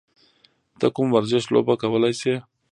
ته کوم ورزش لوبه کولی شې؟